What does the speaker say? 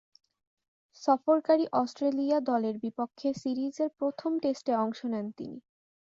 সফরকারী Australia দলের বিপক্ষে সিরিজের প্রথম টেস্টে অংশ নেন তিনি।